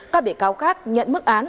các bị cáo khác nhận mức án